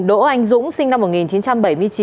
đỗ anh dũng sinh năm một nghìn chín trăm bảy mươi chín